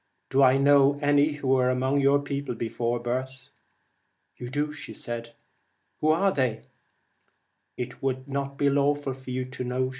'Do I know any who were among your people before birth ?' 'You do.' 'Who are they?' ' It would not be lawful for you to know.'